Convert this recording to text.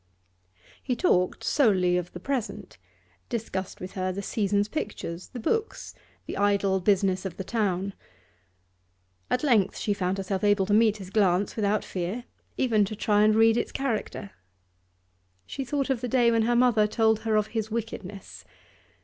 He talked solely of the present, discussed with her the season's pictures, the books, the idle business of the town. At length she found herself able to meet his glance without fear, even to try and read its character. She thought of the day when her mother told her of his wickedness.